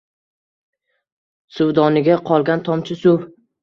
Suvdonida qolgan tomchi suv.